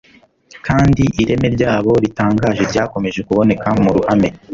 kandi ireme ryabo ritangaje ryakomeje kuboneka mu ruhame